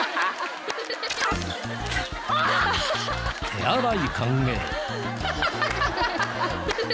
手荒い歓迎。